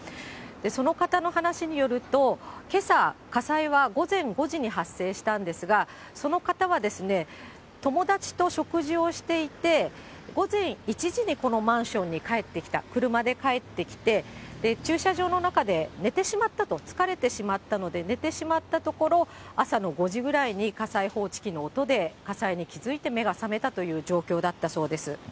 その方の話によると、けさ、火災は午前５時に発生したんですが、その方は、友達と食事をしていて、午前１時にこのマンションに帰ってきた、車で帰ってきて、駐車場の中で寝てしまったと、疲れてしまったので寝てしまったところ、朝の５時ぐらいに火災報知機の音で火災に気付いて目が覚めたといった状況だったそうです。